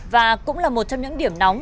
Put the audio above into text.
và cũng là một trong những điểm nóng